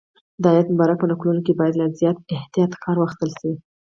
د آیت مبارک په نقلولو کې باید له زیات احتیاط کار واخیستل شي.